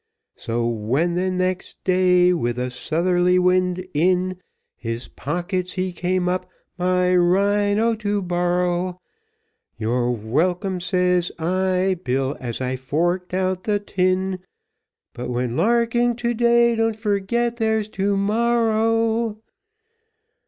So when the next day, with a southerly wind in His pockets, he came up, my rhino to borrow; "You're welcome," says I, "Bill, as I forked out the tin, But when larking to day don't forget there's to morrow."